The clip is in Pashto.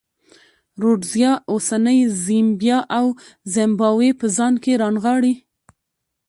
رودزیا اوسنۍ زیمبیا او زیمبابوې په ځان کې رانغاړي.